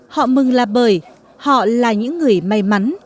họ mừng là bởi họ là những người may mắn